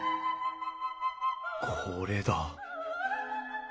これだ。